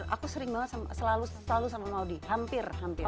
aku sering banget selalu sama maudie hampir hampir